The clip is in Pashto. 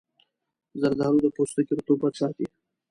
زردآلو د پوستکي رطوبت ساتي.